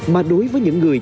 mà đối với những người